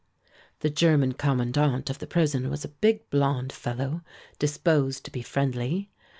The German commandant of the prison was a big, blond fellow, disposed to be friendly.